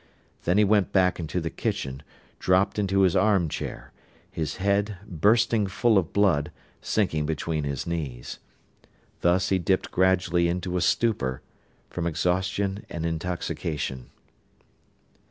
Then he went back into the kitchen, dropped into his armchair, his head, bursting full of blood, sinking between his knees. Thus he dipped gradually into a stupor, from exhaustion and intoxication.